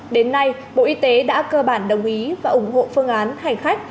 đến nay bộ y tế đã cơ bản đồng ý và ủng hộ phương án hành khách